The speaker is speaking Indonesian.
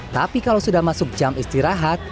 tapi kalau sudah masuk jam istirahat